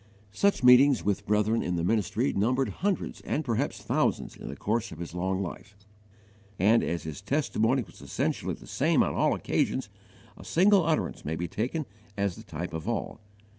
Such meetings with brethren in the ministry numbered hundreds and perhaps thousands in the course of his long life, and as his testimony was essentially the same on all occasions, a single utterance may be taken as the type of all.